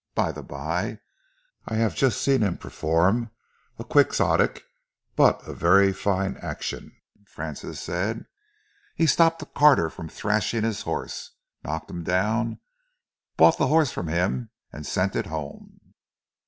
"By the bye, I have just seen him perform a quixotic but a very fine action," Francis said. "He stopped a carter from thrashing his horse; knocked him down, bought the horse from him and sent it home."